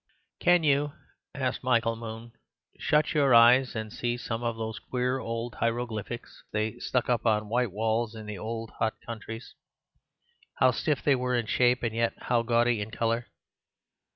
"Can you," asked Michael, "shut your eyes and see some of those queer old hieroglyphics they stuck up on white walls in the old hot countries. How stiff they were in shape and yet how gaudy in colour.